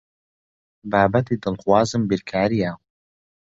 بابەتی دڵخوازم بیرکارییە.